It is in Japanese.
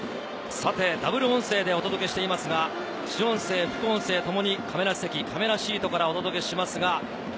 さてダブル音声でお届けしていますが、主音声、副音声ともに亀梨席、かめなシートからお届けします。